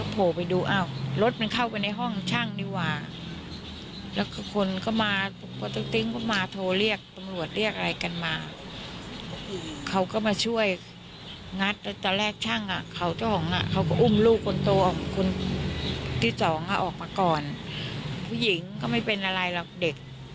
พี่สองออกมาก่อนฝุ่นหญิงก็ไม่เป็นอะไรหรอกเด็ก